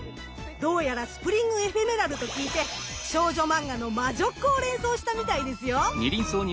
どうやらスプリング・エフェメラルと聞いて少女マンガの魔女っ子を連想したみたいですよ！